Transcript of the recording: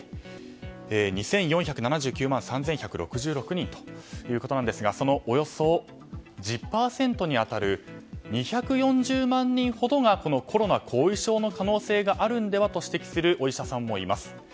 ２４７９万３１６６人ということですがそのおよそ１０％に当たる２４０万人ほどがこのコロナ後遺症の可能性があるのではと指摘するお医者さんもいます。